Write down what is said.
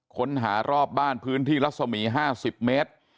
ค้นหารอบบ้านพื้นที่รัศมี๕๐เมตร